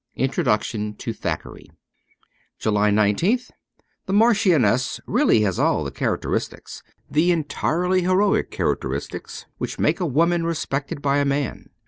Introduction to 'Thackeray.' 222 JULY 19th THE Marchioness really has all the character istics, the entirely heroic characteristics, which make a woman respected by a man.